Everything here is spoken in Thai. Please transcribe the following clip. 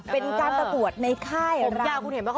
เป็นการประกวดในค่ายราวคุณเห็นไหมค